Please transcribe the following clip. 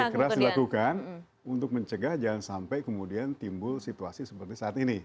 keras dilakukan untuk mencegah jangan sampai kemudian timbul situasi seperti saat ini